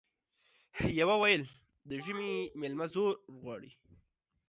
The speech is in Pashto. يوه ويل د ژمي ميلمه زور غواړي ،